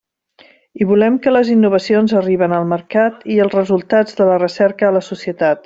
I volem que les innovacions arriben al mercat i els resultats de la recerca a la societat.